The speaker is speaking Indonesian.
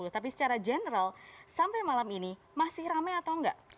tapi secara general sampai malam ini masih rame atau enggak